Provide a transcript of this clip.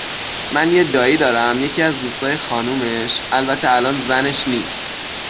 من یه دائی دارم یکی از دوستای خانومش، البته الان زنش نیس